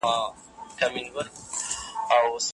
د جلات خان کیسه مي په زړه کي ده.